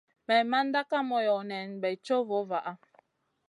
Maimanda Kay moyo nen bey co vo vaha.